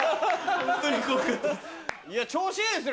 調子いいですね